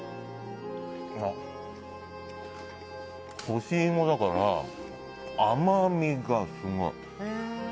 干し芋だから、甘みがすごい！